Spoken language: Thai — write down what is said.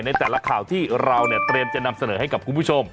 ในแต่ละข่าวที่เราเตรียมจะนำเสนอให้กับคุณผู้ชม